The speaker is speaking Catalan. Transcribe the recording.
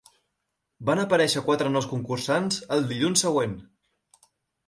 Van aparèixer quatre nous concursants el dilluns següent.